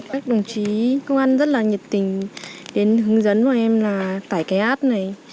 các đồng chí công an rất là nhiệt tình đến hướng dẫn của em là tải cái app này